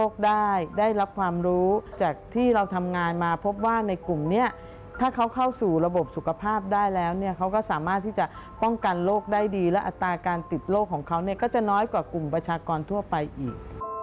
ก็จะน้อยกว่ากลุ่มประชากรทั่วไปอีก